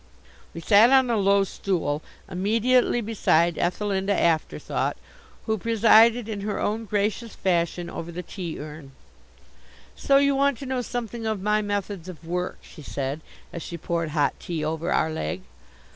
We sat on a low stool immediately beside Ethelinda Afterthought, who presided in her own gracious fashion over the tea urn. "So you want to know something of my methods of work?" she said, as she poured hot tea over our leg.